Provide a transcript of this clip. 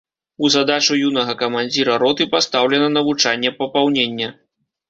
У задачу юнага камандзіра роты пастаўлена навучанне папаўнення.